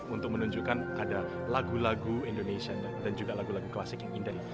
untuk menunjukkan ada lagu lagu indonesia dan juga lagu lagu klasik yang indah ini